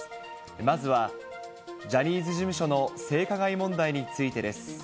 まずは、ジャニーズ事務所の性加害問題についてです。